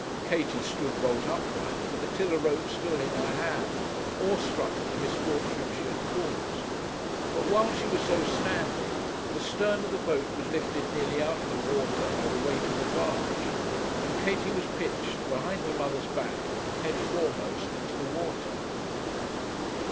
Katie stood bolt upright, with the tiller ropes still in her hand, awe struck at the misfortune she had caused; but while she was so standing, the stern of the boat was lifted nearly out of the water by the weight of the barge, and Katie was pitched, behind her mother's back, head foremost into the water.